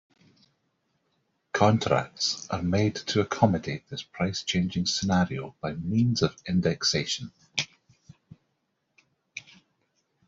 Contracts are made to accommodate this price-changing scenario by means of indexation.